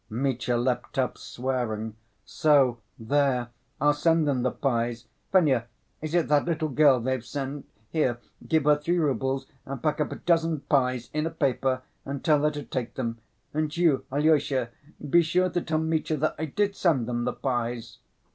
Mitya leapt up swearing.... So, there, I'll send them the pies! Fenya, is it that little girl they've sent? Here, give her three roubles and pack a dozen pies up in a paper and tell her to take them. And you, Alyosha, be sure to tell Mitya that I did send them the pies."